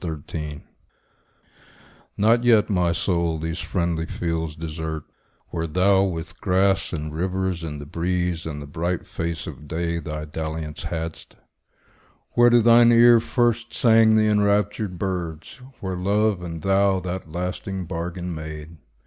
XXIV NOT yet, my soul, these friendly fields desert, Where thou with grass, and rivers, and the breeze, And the bright face of day, thy dalliance hadst; Where to thine ear first sang the enraptured birds; Where love and thou that lasting bargain made.